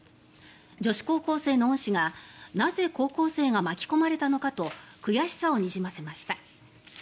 女子高校生の恩師がなぜ高校生が巻き込まれたのかと悔しさをにじませました。